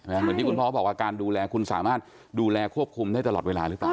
เหมือนที่คุณพ่อบอกว่าการดูแลคุณสามารถดูแลควบคุมได้ตลอดเวลาหรือเปล่า